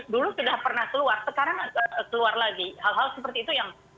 dulu sudah pernah keluar sekarang keluar lagi hal hal seperti itu yang